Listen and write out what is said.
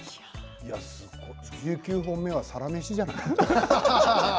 １９本目は「サラメシ」じゃない？